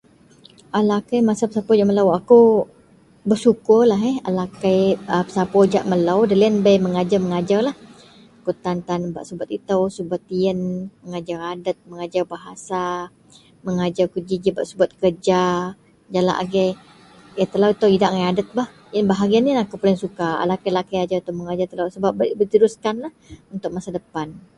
A lakei bercampur jegam melo aku bersyukurlah bei mengajar-ngajarlah ketan bak subet ito mengajar adat dan bahasa mengajar keji ba subat kerja ito idak angai adat diteruskanlah untuk masa depan